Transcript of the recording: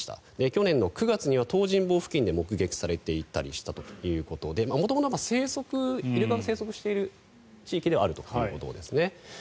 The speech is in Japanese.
去年の９月には東尋坊付近で目撃されていたということで元々、イルカの生息している地域ではあるということですね。